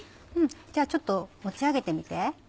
じゃあちょっと持ち上げてみて。